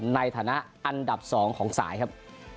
ในฐานะอันดับ๒ของสายครับ